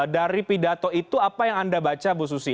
dari pidato itu apa yang anda baca bu susi